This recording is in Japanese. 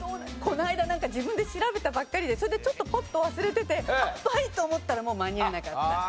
この間なんか自分で調べたばっかりでそれでちょっとポッと忘れてて「あっパイ！」と思ったらもう間に合わなかった。